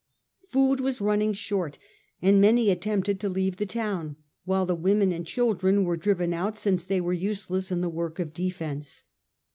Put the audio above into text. Food was running short and many attempted to leave the town, while the women and children were driven out since they were useless in the work of defence.